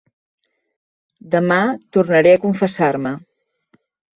Demà tornaré a confessar-me.